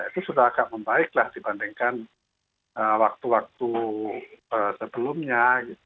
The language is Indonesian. itu sudah agak membaiklah dibandingkan waktu waktu sebelumnya